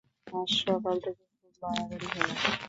আজ সকাল থেকে খুব বাড়াবাড়ি হল।